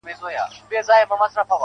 زړه مي ورېږدېدی,